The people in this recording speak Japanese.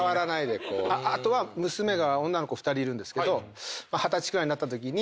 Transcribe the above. あとは娘が女の子２人いるんですけど二十歳くらいになったときに。